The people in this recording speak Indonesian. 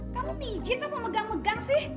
kamu pijit mau megang megang sih